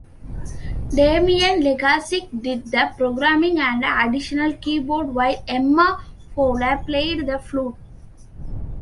Damian LeGassick did the programming and additional keyboard while Emma Fowler played the flute.